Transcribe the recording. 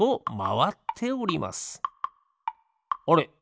あれ？